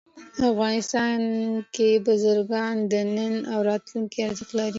افغانستان کې بزګان د نن او راتلونکي ارزښت لري.